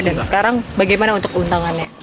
dan sekarang bagaimana untuk keuntangannya